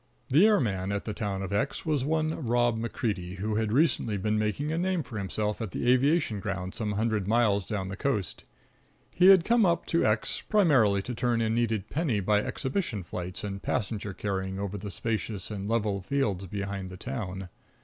The airman at the town of X was one Rob MacCreedy, who had recently been making a name for himself at the aviation grounds some hundred miles down the coast. He had come up to X primarily to turn a needed penny by exhibition flights and passenger carrying over the spacious and level fields behind the town.